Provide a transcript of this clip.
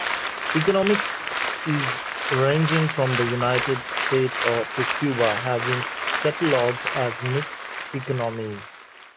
Economies ranging from the United States to Cuba have been catalogued as mixed economies.